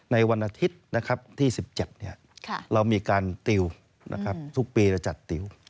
ในวันอาทิตย์ที่๑๗เรามีการติวทุกปีเราจัดติว